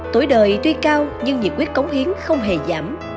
tuổi đời tuy cao nhưng nhiệt quyết cống hiến không hề giảm